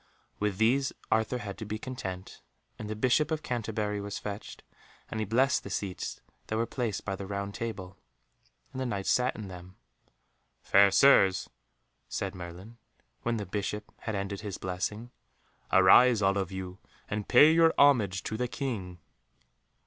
With these Arthur had to be content, and the Bishop of Canterbury was fetched, and he blessed the seats that were placed by the Round Table, and the Knights sat in them. "Fair Sirs," said Merlin, when the Bishop had ended his blessing, "arise all of you, and pay your homage to the King."